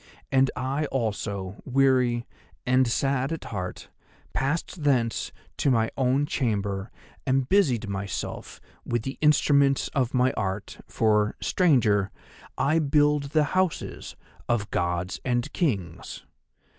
And I also, weary and sad at heart, passed thence to my own chamber and busied myself with the instruments of my art, for, stranger, I build the houses of gods and kings.